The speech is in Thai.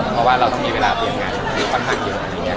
เพราะว่าเรามีเวลาเตรียมงานอยู่ทั้งหลายอย่าง